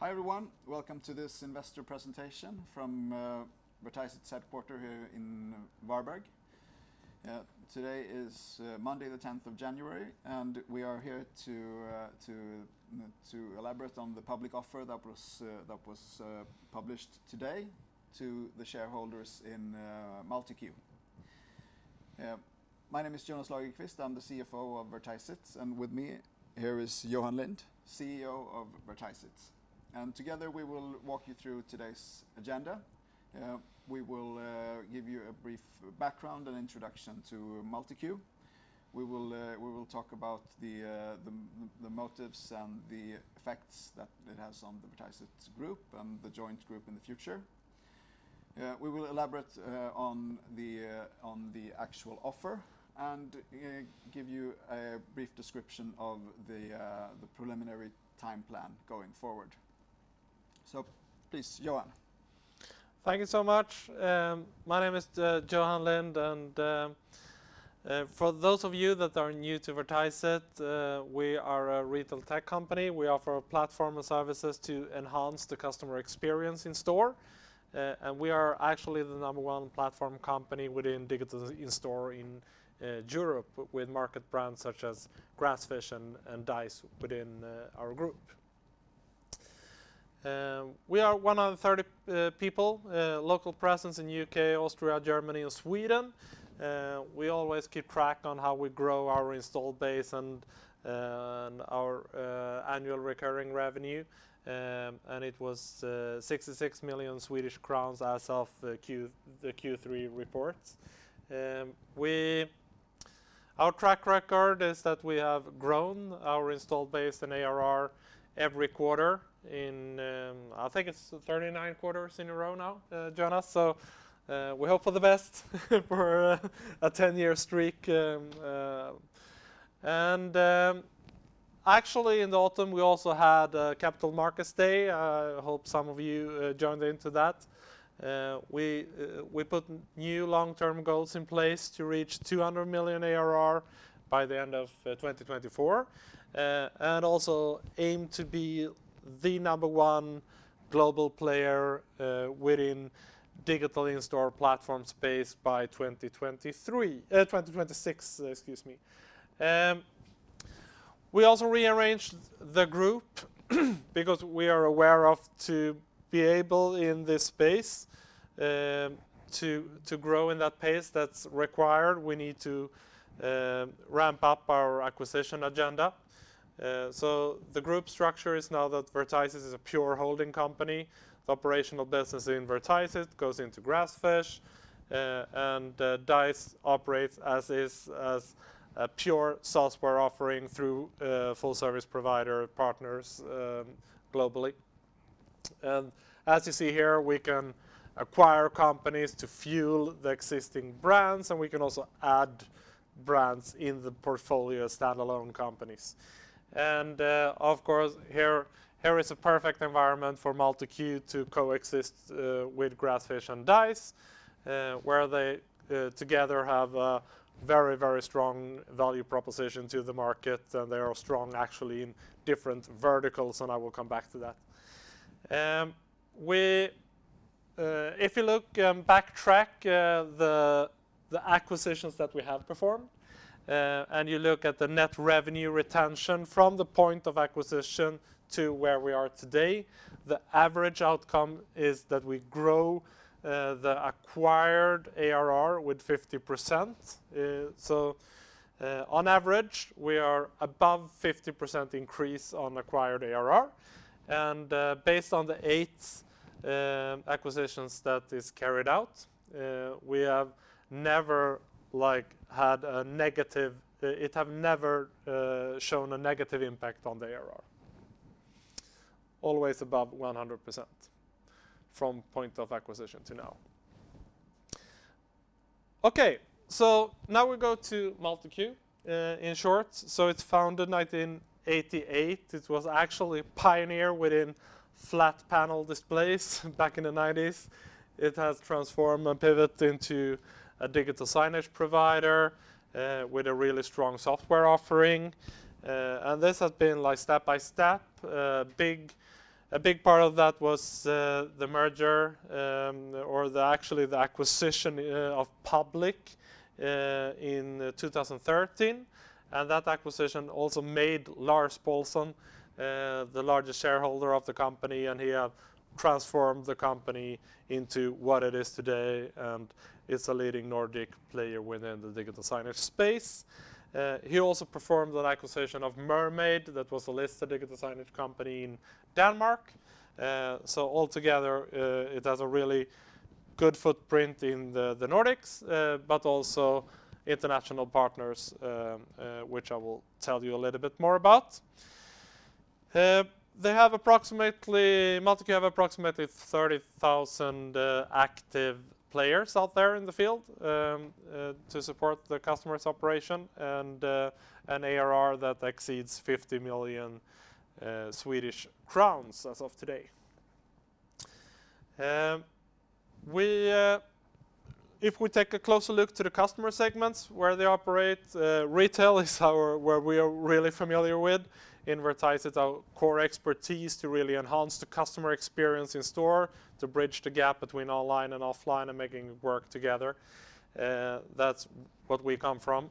Hi everyone, welcome to this investor presentation from Vertiseit's headquarters in Varberg. Today is Monday, January 10, and we will elaborate on the public offer that was published today to the shareholders in MultiQ. My name is Jonas Lagerqvist. I'm the CFO of Vertiseit, and with me here is Johan Lind, CEO of Vertiseit. Together, we will walk you through today's agenda. We will give you a brief background and introduction to MultiQ. We will talk about the motives and the effects that it has on the Vertiseit group and the joint group in the future. We will elaborate on the actual offer and give you a brief description of the preliminary time plan going forward. Please, Johan. Thank you so much. My name is Johan Lind, and for those of you that are new to Vertiseit, we are a retail tech company. We offer platforms and services to enhance the customer experience in store. We are actually the number one platform company within digital in-store in Europe with market brands such as Grassfish, Dise within our group. We have 130 employees, with a local presence in the U.K., Austria, Germany, and Sweden. We always keep track of how we grow our installed base and our annual recurring revenue. It was 66 million Swedish crowns as of the Q3 reports. Our track record is that we have grown our installed base and ARR every quarter in, I think it's 39 quarters in a row now, Jonas. We hope for the best for a 10-year streak. Actually in the autumn, we also had a capital markets day. I hope some of you joined into that. We put new long-term goals in place to reach 200 million ARR by the end of 2024, and also aim to be the number one global player within digital in-store platform space by 2023, 2026, excuse me. We also rearranged the group because we are aware of to be able in this space, to grow in that pace that's required, we need to ramp up our acquisition agenda. The group structure is now that Vertiseit is a pure holding company. The operational business in Vertiseit goes into Grassfish, and Dise operates as is, as a pure software offering through full service provider partners, globally. Of course, here is a perfect environment for MultiQ to coexist with Grassfish and Dise, where they together have a very, very strong value proposition to the market, and they are strong actually in different verticals. If you look back at the acquisitions that we have performed and you look at the net revenue retention from the point of acquisition to where we are today, the average outcome is that we grow the acquired ARR with 50%. So on average, we are above 50% increase on acquired ARR. Based on the 8 acquisitions that is carried out, we have never, like, had a negative—it has never shown a negative impact on the ARR. Always above 100% from point of acquisition to now. Okay, now we go to MultiQ in short. It's was founded 1988. It was actually a pioneer within flat panel displays back in the 1990s. It has transformed and pivoted into a digital signage provider with a really strong software offering. This has been, like, step by step. A big part of that was the merger or actually the acquisition of PubliQ in 2013. That acquisition also made Lars-Göran Pålsson the largest shareholder of the company, and he have transformed the company into what it is today, and it's a leading Nordic player within the digital signage space. He also performed an acquisition of Mermaid, that was a listed digital signage company in Denmark. Altogether, it has a really good footprint in the Nordics, but also international partners, which I will tell you a little bit more about. MultiQ have approximately 30,000 active players out there in the field to support the customer's operation and an ARR that exceeds 50 million Swedish crowns as of today. If we take a closer look to the customer segments where they operate, retail is where we are really familiar with. In Vertiseit, it's our core expertise to really enhance the customer experience in store, to bridge the gap between online and offline, and making it work together. That's what we come from.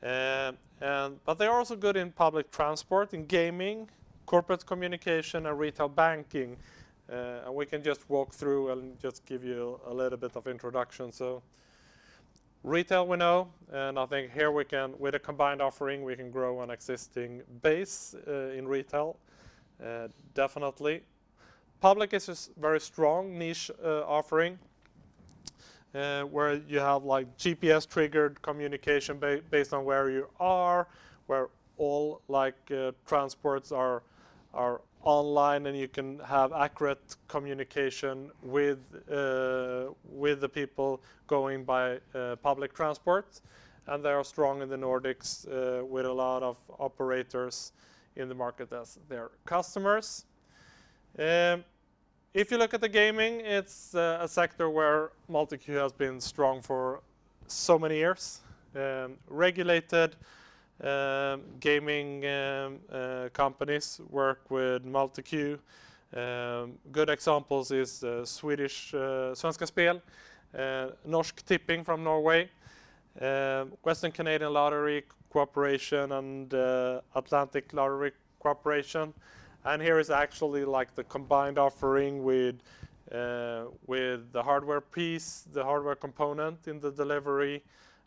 They are also good in public transport, in gaming, corporate communication, and retail banking. We can just walk through and just give you a little bit of introduction. Retail, we know, and I think here we can, with a combined offering, we can grow an existing base in retail definitely. PubliQ is a very strong niche offering where you have, like, GPS-triggered communication based on where you are, where all, like, transports are online, and you can have accurate communication with the people going by public transport. They are strong in the Nordics with a lot of operators in the market as their customers. If you look at the gaming, it's a sector where MultiQ has been strong for so many years. Regulated gaming companies work with MultiQ. Good examples is Swedish Svenska Spel, Norsk Tipping from Norway, Western Canada Lottery Corporation and Atlantic Lottery Corporation. Here is actually, like, the combined offering with the hardware piece, the hardware component in the delivery,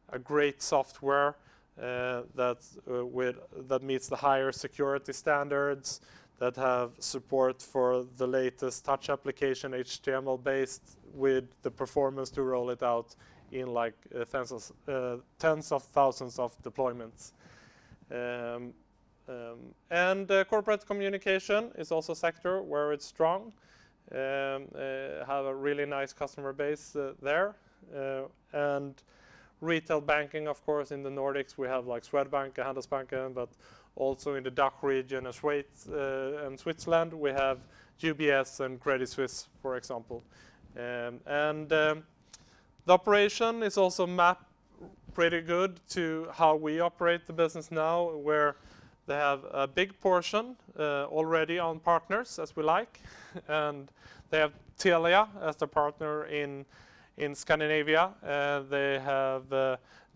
a great software that meets the higher security standards, that have support for the latest touch application, HTML-based, with the performance to roll it out in, like, tens of thousands of deployments. Corporate communication is also a sector where it's strong. We have a really nice customer base there. Retail banking, of course, in the Nordics, we have, like, Swedbank and Handelsbanken, but also in the DACH region and Switzerland, we have UBS and Credit Suisse, for example. The operation is also a pretty good match to how we operate the business now, where they have a big portion already on partners, as we like. They have Telia as their partner in Scandinavia. They have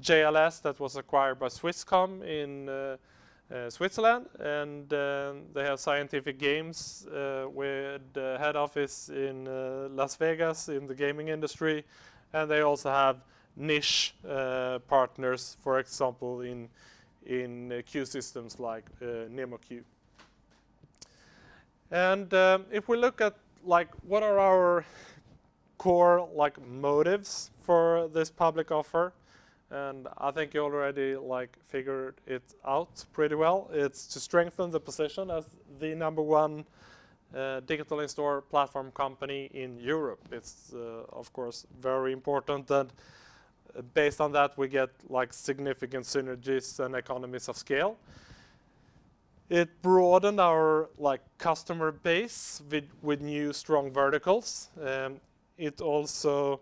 JLS that was acquired by Swisscom in Switzerland. They have Scientific Games with the head office in Las Vegas in the gaming industry. They also have niche partners, for example, in queue systems like Nemo-Q. If we look at, like, what are our core, like, motives for this public offer, and I think you already, like, figured it out pretty well. It's to strengthen the position as the number one Digital In-store platform company in Europe. It's of course very important. Based on that, we get, like, significant synergies and economies of scale. It broaden our, like, customer base with new strong verticals. It also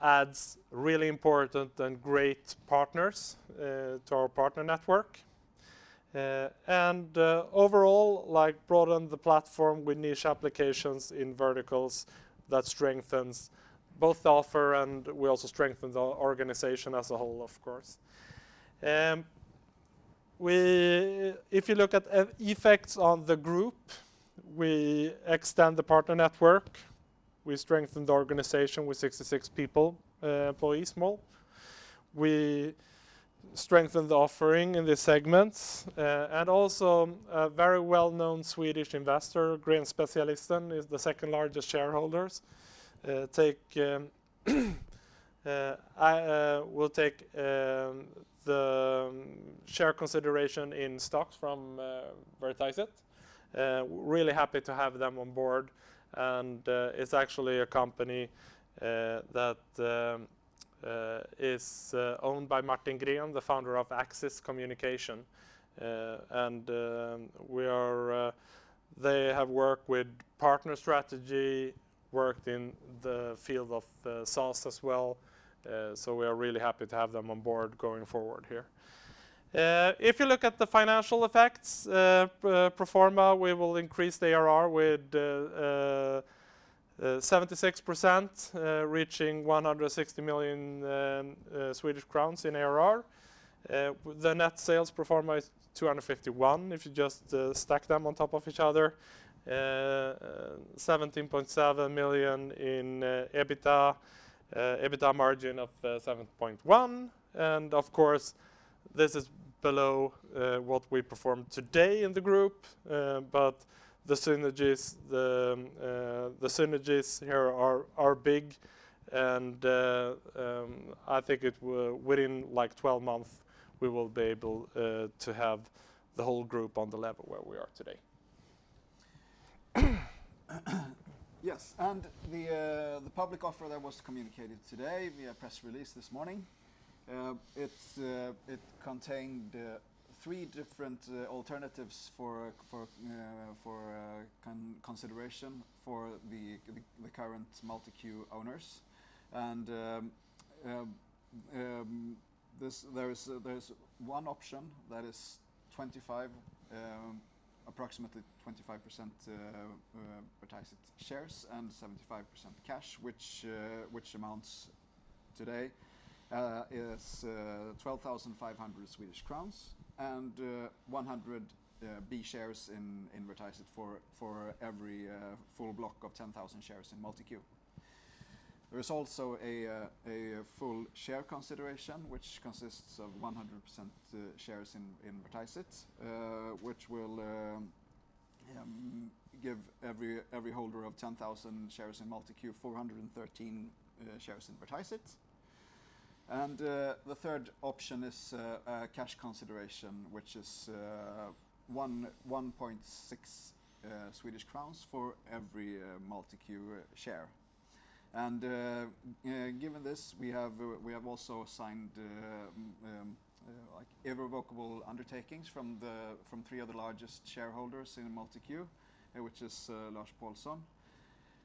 adds really important and great partners to our partner network. Overall, like, broaden the platform with niche applications in verticals that strengthens both the offer, and we also strengthen the organization as a whole, of course. If you look at effects on the group, we extend the partner network. We strengthen the organization with 66 people, employees more. We strengthen the offering in the segments. Also, a very well-known Swedish investor, Grenspecialisten, is the second-largest shareholder. Will take the share consideration in stocks from Vertiseit. Really happy to have them on board. It's actually a company that is owned by Martin Gren, the founder of Axis Communications. They have worked with partner strategy, worked in the field of SaaS as well. We are really happy to have them on board going forward here. If you look at the financial effects, pro forma, we will increase the ARR with 76%, reaching 160 million Swedish crowns in ARR. The net sales pro forma is 251 million, if you just stack them on top of each other. 17.7 million in EBITDA. EBITDA margin of 7.1%. Of course, this is below what we perform today in the group. The synergies here are big. I think within like 12 months we will be able to have the whole group on the level where we are today. Yes, and the The public offer that was communicated today via press release this morning, it contained three different alternatives for consideration for the current MultiQ owners. There's one option that is approximately 25% Vertiseit shares and 75% cash, which amounts today is 12,500 Swedish crowns and 100 B shares in Vertiseit for every full block of 10,000 shares in MultiQ. There is also a full share consideration which consists of 100% shares in Vertiseit, which will give every holder of 10,000 shares in MultiQ 413 shares in Vertiseit. The third option is a cash consideration, which is 1.6 Swedish crowns for every MultiQ share. Given this, we have also signed irrevocable undertakings from three of the largest shareholders in MultiQ, which is Lars-Göran Pålsson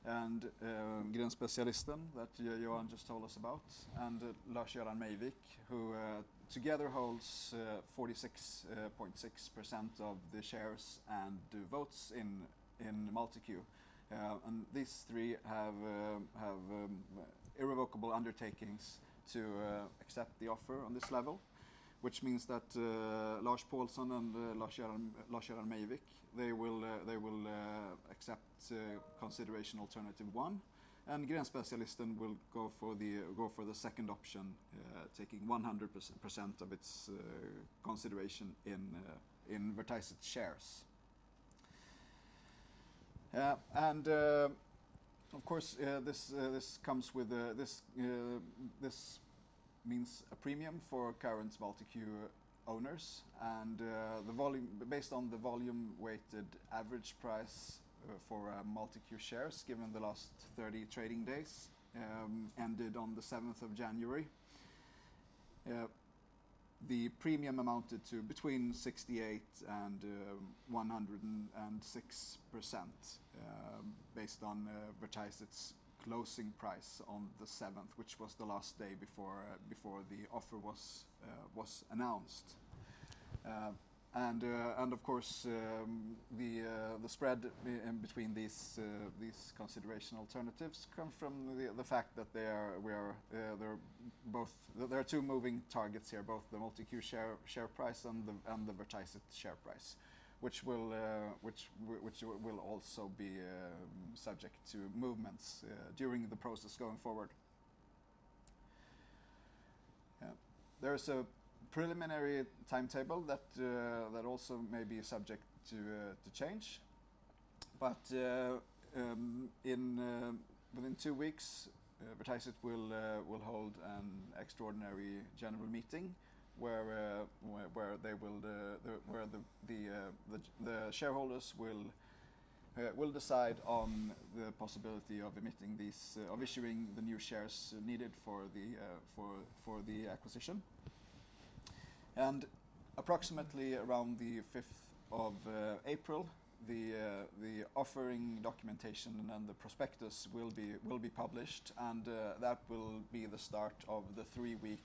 and Grenspecialisten that Johan just told us about, and Lars-Göran Mebius, who together holds 46.6% of the shares and the votes in MultiQ. These three have irrevocable undertakings to accept the offer on this level, which means that Lars-Göran Pålsson and Lars-Göran Mebius will accept consideration alternative one, and Grenspecialisten will go for the second option, taking 100% of its consideration in Vertiseit shares. Of course, this means a premium for current MultiQ owners and based on the volume-weighted average price for MultiQ shares, given the last 30 trading days, ended on the seventh of January. The premium amounted to between 68% and 106%, based on Vertiseit's closing price on the seventh, which was the last day before the offer was announced. Of course, the spread in between these consideration alternatives come from the fact that there are two moving targets here, both the MultiQ share price and the Vertiseit share price, which will also be subject to movements during the process going forward. Yeah. There is a preliminary timetable that also may be subject to change. Within two weeks, Vertiseit will hold an extraordinary general meeting where the shareholders will decide on the possibility of issuing the new shares needed for the acquisition. Approximately around the fifth of April, the offering documentation and the prospectus will be published and that will be the start of the three-week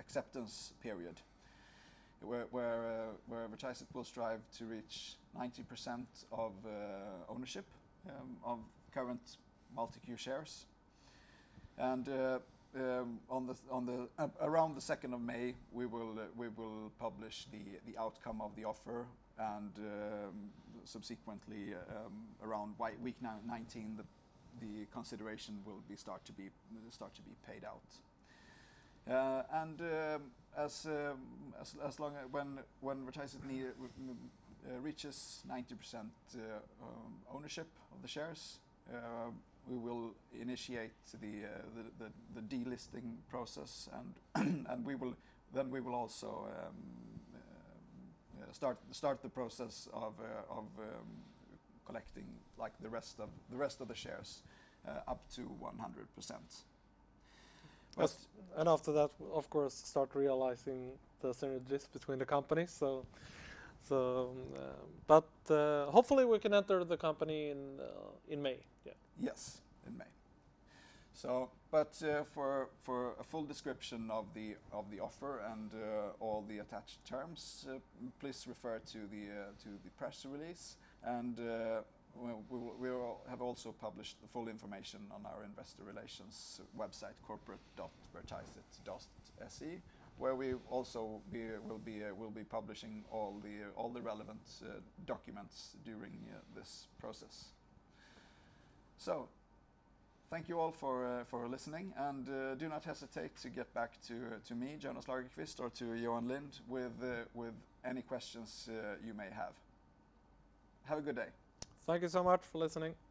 acceptance period, where Vertiseit will strive to reach 90% ownership of current MultiQ shares. Around the second of May, we will publish the outcome of the offer and, subsequently, around week 19, the consideration will start to be paid out. When Vertiseit reaches 90% ownership of the shares, we will initiate the delisting process and then we will also start the process of collecting, like, the rest of the shares up to 100%. Yes. After that, of course, start realizing the synergies between the companies. Hopefully we can enter the company in May. Yeah. Yes, in May. For a full description of the offer and all the attached terms, please refer to the press release. We will have also published the full information on our investor relations website, corporate.vertiseit.se, where we will be publishing all the relevant documents during this process. Thank you all for listening and do not hesitate to get back to me, Jonas Lagerqvist, or to Johan Lind with any questions you may have. Have a good day. Thank you so much for listening.